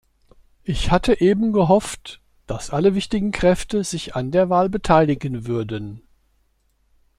Ich hatte eben gehofft, dass alle wichtigen Kräfte sich an der Wahl beteiligen würden.